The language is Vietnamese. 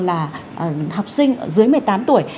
là học sinh dưới một mươi tám tuổi